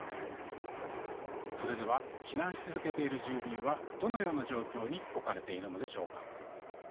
それでは避難し続けている住民はどのような状況に置かれているのでしょうか？